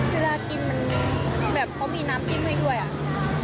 เวลากินมันมีเค้ามีน้ำจิ้มให้ด้วย